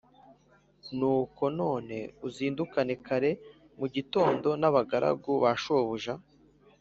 nuko none uzindukane kare mu gitondo n’abagaragu ba shobuja